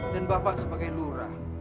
dan bapak sebagai lura